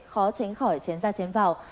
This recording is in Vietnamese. khó tránh khỏi chén ra chén vào